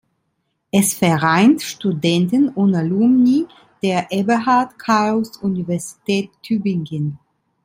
Es vereint Studenten und Alumni der Eberhard Karls Universität Tübingen.